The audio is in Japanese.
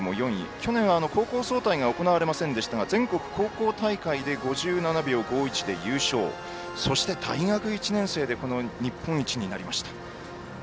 去年は高校総体が行われませんでしたが全国高校大会で５７秒５１で優勝そして大学１年生でこの日本一になりました。